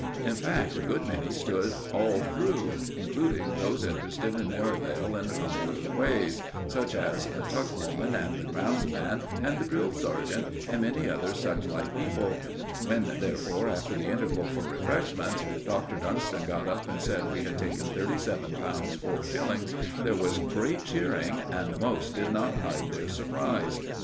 In fact, a good many stood all through, including those interested in Merivale in humble ways, such as the tuck woman and the ground man and the drill sergeant, and many other such like people. When, therefore, after the interval for refreshments, Dr. Dunston got up and said we had taken thirty seven pounds four shillings, there was great cheering, and most did not hide their surprise.